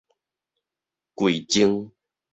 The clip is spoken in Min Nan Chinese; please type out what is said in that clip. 餽贈